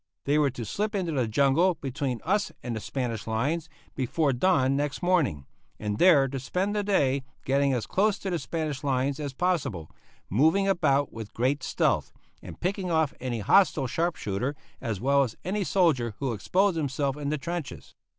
They were to slip into the jungle between us and the Spanish lines before dawn next morning, and there to spend the day, getting as close to the Spanish lines as possible, moving about with great stealth, and picking off any hostile sharp shooter, as well as any soldier who exposed himself in the trenches.